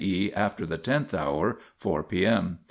e. after the tenth hour (4 'p.m.).